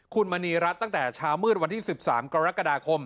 คุณมณีรัฐตั้งแต่เช้ามืดวันที่๑๓กรกฎาคม